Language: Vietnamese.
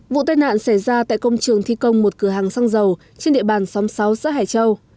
vụ tai nạn xảy ra tại công trường thi công một cửa hàng xăng dầu trên địa bàn xóm sáu xã hải châu